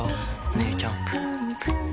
お姉ちゃん。